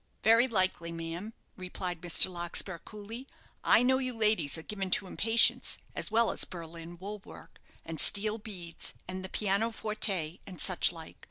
"Very likely, ma'am," replied Mr. Larkspur, coolly; "I know you ladies are given to impatience, as well as Berlin wool work, and steel beads, and the pianoforte, and such like.